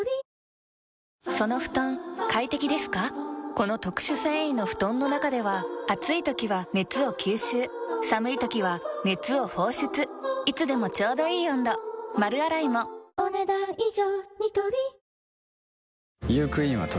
この特殊繊維の布団の中では暑い時は熱を吸収寒い時は熱を放出いつでもちょうどいい温度丸洗いもお、ねだん以上。